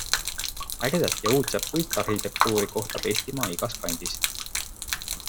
Ägedat ja uudset puitarhitektuuri kohtab Eestimaa igas kandis.